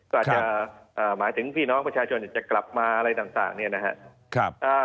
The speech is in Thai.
ก็อาจจะหมายถึงพี่น้องประชาชนจะกลับมาอะไรต่างเนี่ยนะครับ